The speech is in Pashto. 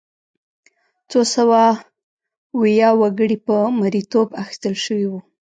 څو سوه ویا وګړي په مریتوب اخیستل شوي وو.